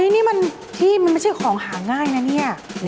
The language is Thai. นี่มันที่มันไม่ใช่ของหาง่ายนะเนี่ย